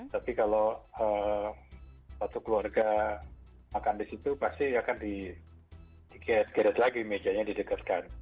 tapi kalau satu keluarga makan di situ pasti akan digeret lagi mejanya didekatkan